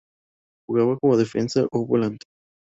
Jugaba como defensa o volante.